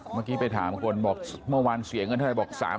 เมื่อกี้ไปถามคนบอกเมื่อวานเสียเงินเท่าไรบอก๓๐๐๐